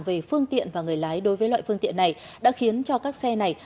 về phương tiện và người lái đối với loại phương tiện này đã khiến cho các xe này